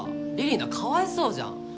李里奈かわいそうじゃん。